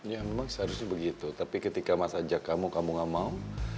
ya memang seharusnya begitu tapi ketika mas ajak kamu kamu gak mau